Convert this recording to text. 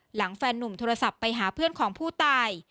แฟนนุ่มโทรศัพท์ไปหาเพื่อนของผู้ตาย